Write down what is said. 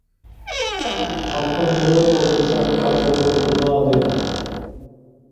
قاپىقىنى تۈرۈپ ئولتۇرسا، «كالىدەك ئولتۇرىدۇ» دەيدۇ.